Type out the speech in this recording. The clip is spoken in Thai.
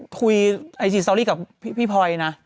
คุยไอจีสตอรี่กับพี่พลอยนะ